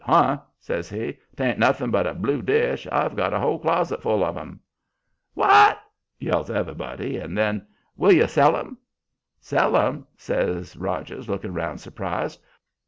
"Huh!" says he. "'Tain't nothing but a blue dish. I've got a whole closet full of them." "WHAT?" yells everybody. And then: "Will you sell 'em?" "Sell 'em?" says Rogers, looking round surprised.